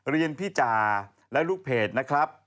พี่จ่าและลูกเพจนะครับ